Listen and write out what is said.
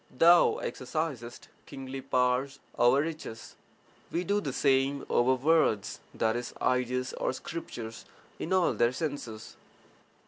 Thou exercisest kingly power over riches, we do the same over words (i.e., ideas or scriptures) in all their senses.